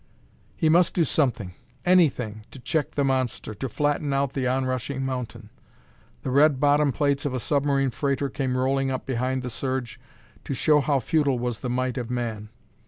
He must do something anything! to check the monster, to flatten out the onrushing mountain! The red bottom plates of a submarine freighter came rolling up behind the surge to show how futile was the might of man.